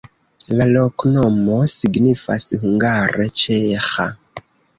La loknomo signifas hungare: ĉeĥa.